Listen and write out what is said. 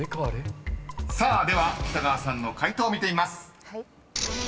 ［さあでは北川さんの解答見てみます］